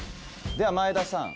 では前田さん